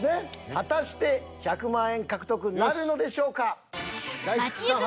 果たして１００万円獲得なるのでしょうか。